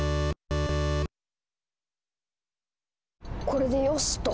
これでよしと。